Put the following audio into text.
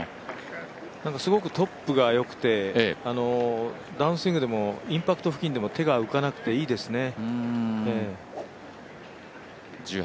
すごくトップが良くてインパクト付近でも手が浮かなくていいですね。